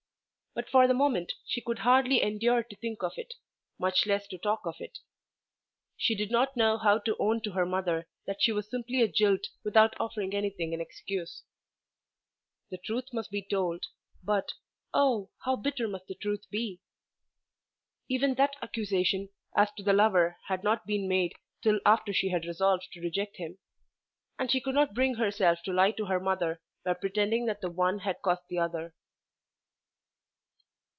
But for the moment she could hardly endure to think of it, much less to talk of it. She did not know how to own to her mother that she was simply a jilt without offering anything in excuse. The truth must be told, but, oh, how bitter must the truth be! Even that accusation as to the lover had not been made till after she had resolved to reject him; and she could not bring herself to lie to her mother by pretending that the one had caused the other.